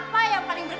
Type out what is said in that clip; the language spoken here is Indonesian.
buat nyamar jadi preman